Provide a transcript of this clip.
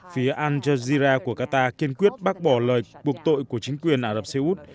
phía al jazeera của qatar kiên quyết bác bỏ lời buộc tội của chính quyền ả rập xê út